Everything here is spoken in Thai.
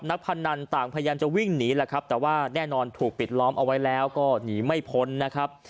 พนันต่างพยายามจะวิ่งหนีแหละครับแต่ว่าแน่นอนถูกปิดล้อมเอาไว้แล้วก็หนีไม่พ้นนะครับ